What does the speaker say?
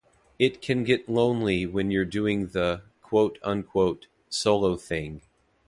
It can get lonely when you're doing the - quote unquote - solo thing.